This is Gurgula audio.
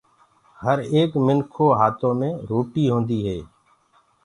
هر ايڪ منکِو هآتو مي روٽي هوندي هي